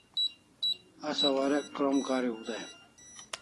Asa warek krom kariu dai